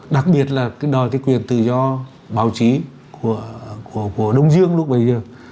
đặc biệt là đòi cái quyền tự do báo chí của đông dương lúc bấy giờ